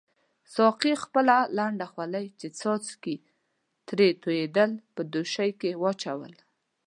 ساقي خپله لنده خولۍ چې څاڅکي ترې توییدل په دوشۍ کې واچول.